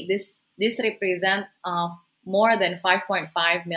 ini merupakan lebih dari